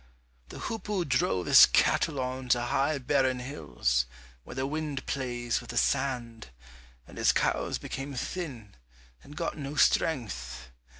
The hoopoe drove his cattle on to high barren hills, where the wind plays with the sand, and his cows became thin, and got no strength.